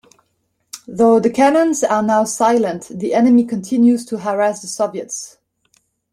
Though the cannons are now silent, the enemy continues to harass the Soviets.